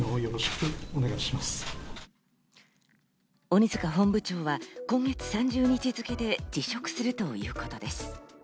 鬼塚本部長は今月３０日付で辞職するということです。